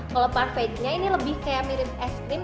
kalau parfidenya ini lebih kayak mirip es krim